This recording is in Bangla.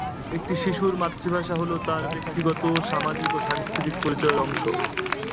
একটি শিশুর মাতৃভাষা হল তার ব্যক্তিগত, সামাজিক ও সাংস্কৃতিক পরিচয়ের অংশ।